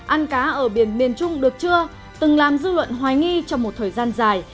ăn cá ở biển miền trung được chưa từng làm dư luận hoài nghi trong một thời gian dài